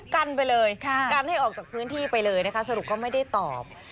กันไปเลยกันให้ออกจากพื้นที่ไปเลยนะคะสรุปก็ไม่ได้ตอบ